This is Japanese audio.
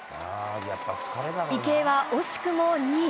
池江は惜しくも２位。